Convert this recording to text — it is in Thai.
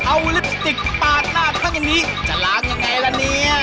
เอาลิปสติกปาดหน้าท่านอย่างนี้จะล้างยังไงล่ะเนี่ย